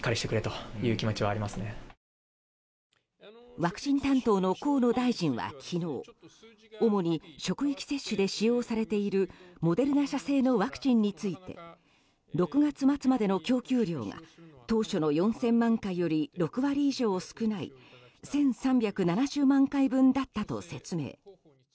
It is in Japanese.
ワクチン担当の河野大臣は昨日主に職域接種で使用されているモデルナ社製のワクチンについて６月末までの供給量が当初の４０００万回より６割以上少ない１３７０万回分だったと説明。